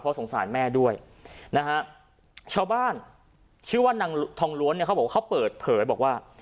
สงสารแม่ด้วยนะฮะชาวบ้านชื่อว่านางทองล้วนเนี่ยเขาบอกว่าเขาเปิดเผยบอกว่า